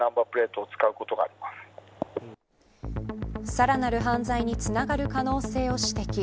さらなる犯罪につながる可能性を指摘。